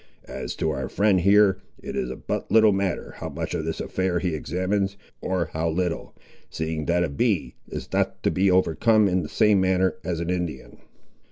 As to our friend, here, it is of but little matter, how much of this affair he examines, or how little, seeing that a bee is not to be overcome in the same manner as an Indian."